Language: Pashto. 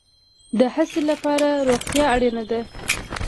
د هڅې لپاره روغتیا اړین ده